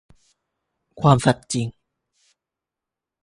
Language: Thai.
ความสัตย์จริง